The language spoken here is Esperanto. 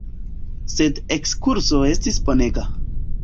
Sed ekskurso estis bonega.